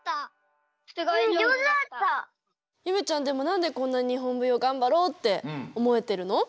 ゆめちゃんでもなんでこんなにほんぶようがんばろうっておもえてるの？